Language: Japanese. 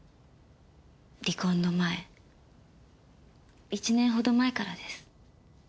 離婚の前１年ほど前からです。